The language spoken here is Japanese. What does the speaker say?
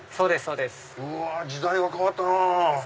うわ時代は変わったなぁ。